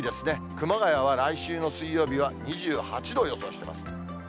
熊谷は来週の水曜日は２８度を予想しています。